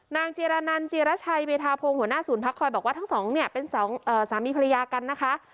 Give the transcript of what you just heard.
จีรนันจิรชัยเมธาพงศ์หัวหน้าศูนย์พักคอยบอกว่าทั้งสองเนี่ยเป็นสองสามีภรรยากันนะคะ